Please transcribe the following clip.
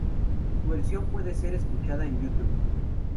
Su versión puede ser escuchada en YouTube.